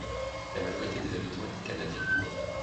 La majorité des habitants étaient Canadiens.